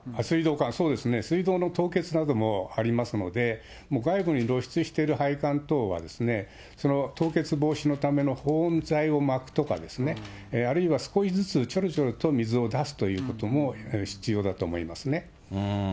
水道管、そうですね、水道管の凍結などもありますので、もう外部に露出している配管等は、凍結防止のための保温材を巻くとか、あるいは少しずつ、ちょろちょろと水を出すということも必要だと思いますね。